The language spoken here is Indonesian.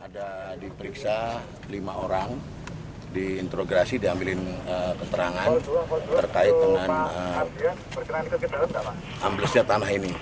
ada diperiksa lima orang diinterograsi diambilin keterangan terkait dengan amblesnya tanah ini